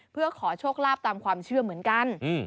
เพื่อขอโชคลาภตามความเชื่อเหมือนกัน